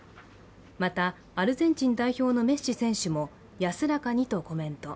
また、アルゼンチン代表のメッシ選手も安らかにとコメント。